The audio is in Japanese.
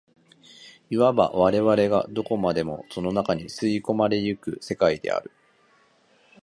いわば我々がどこまでもその中に吸い込まれ行く世界である。